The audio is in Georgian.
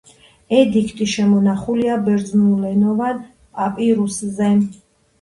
ედიქტი შემონახულია ბერძნულენოვან პაპირუსზე.